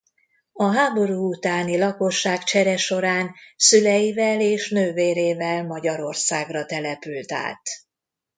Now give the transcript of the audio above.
A háború utáni lakosságcsere során szüleivel és nővérével Magyarországra települt át.